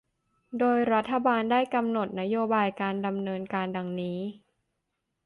โดยรัฐบาลได้กำหนดนโยบายการดำเนินการดังนี้